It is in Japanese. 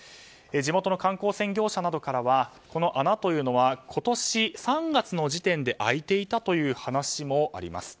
地元の観光船業者などからはこの穴というのは今年３月の時点で開いていたという話もあります。